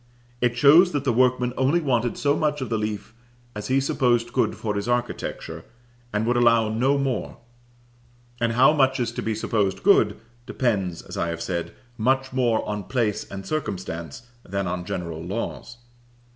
It shows that the workman only wanted so much of the leaf as he supposed good for his architecture, and would allow no more; and how much is to be supposed good, depends, as I have said, much more on place and circumstance than on general laws.